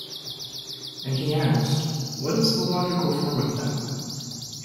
And he asked: 'What is the logical form of that?